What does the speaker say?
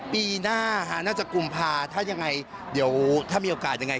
ปีหน้าน่าจะกุมภาถ้ายังไงเดี๋ยวถ้ามีโอกาสยังไง